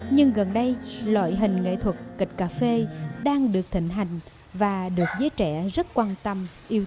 nhưng gần đây loại hình nghệ thuật kịch cà phê đang được thịnh hành và được giới trẻ rất quan tâm yêu thích